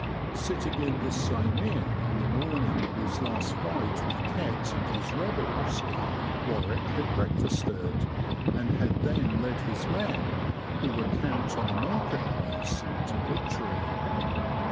Sitting in this same inn on the morning of his last fight with Kett and his rebels, Warwick had breakfasted, and had then led his men, who were camped on the market place, to victory.